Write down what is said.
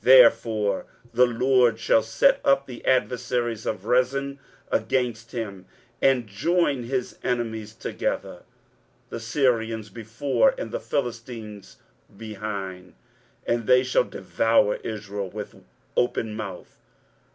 23:009:011 Therefore the LORD shall set up the adversaries of Rezin against him, and join his enemies together; 23:009:012 The Syrians before, and the Philistines behind; and they shall devour Israel with open mouth.